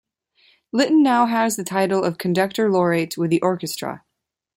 Litton now has the title of conductor laureate with the orchestra.